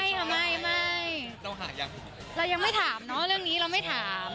เรายังไม่ถามเนอะเรื่องนี้เราไม่ถาม